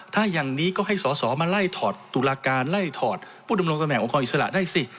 ถ้าอย่างนี้ก็ให้สอสอมาไล่ถอดตุลาการไล่ถอดผู้ดำรงตำแห่องครอิสระได้สิ